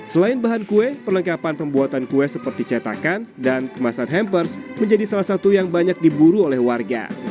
selain bahan kue perlengkapan pembuatan kue seperti cetakan dan kemasan hampers menjadi salah satu yang banyak diburu oleh warga